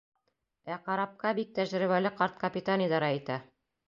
Ә карапҡа бик тәжрибәле ҡарт капитан идара итә.